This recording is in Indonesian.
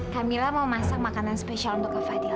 kak mila mau masak makanan spesial untuk kak fadil